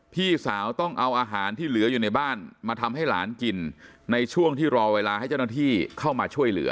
พี่สาวต้องเอาอาหารที่เหลืออยู่ในบ้านมาทำให้หลานกินในช่วงที่รอเวลาให้เจ้าหน้าที่เข้ามาช่วยเหลือ